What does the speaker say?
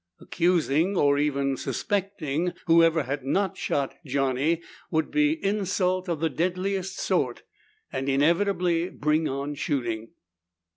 Accusing, or even suspecting, whoever had not shot Johnny would be insult of the deadliest sort and inevitably bring on shooting.